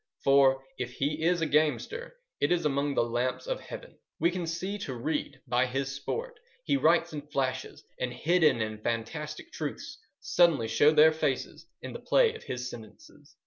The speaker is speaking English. For, if he is a gamester, it is among the lamps of Heaven. We can see to read by his sport. He writes in flashes, and hidden and fantastic truths suddenly show their faces in the play of his sentences.